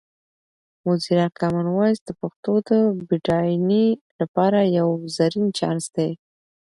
موزیلا کامن وایس د پښتو د بډاینې لپاره یو زرین چانس دی.